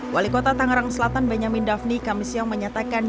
wali kota tangerang selatan benyamin daphni kamisio menyatakan